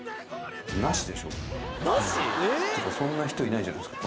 そんな人いないじゃないですか